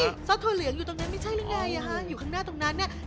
ซอสถั่วเหลืองอยู่ตรงนั้นไม่ใช่หรือไงฮะอยู่ข้างหน้าตรงนั้นเนี่ย